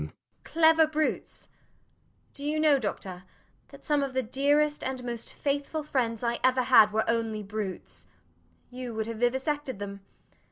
Clever brutes? Do you know, doctor, that some of the dearest and most faithful friends I ever had were only brutes! You would have vivisected them.